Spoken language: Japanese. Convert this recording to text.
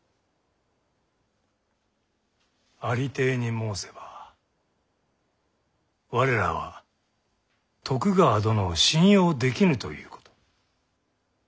ありていに申せば我らは徳川殿を信用できぬということ。